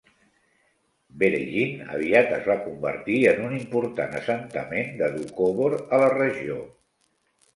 Veregin aviat es va convertir en un important assentament de Doukhobor a la regió.